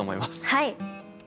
はい。